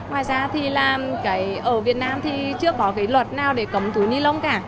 ngoài ra ở việt nam thì chưa có luật nào để cấm túi ni lông cả